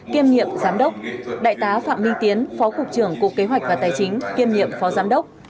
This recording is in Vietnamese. kiêm nhiệm giám đốc đại tá phạm minh tiến phó cục trưởng cục kế hoạch và tài chính kiêm nhiệm phó giám đốc